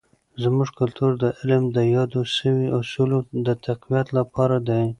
زموږ کلتور د علم د یادو سوي اصولو د تقویت لپاره دی.